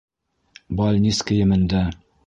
Балнис кейемендә.